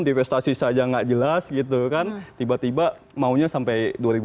divestasi saja nggak jelas gitu kan tiba tiba maunya sampai dua ribu empat belas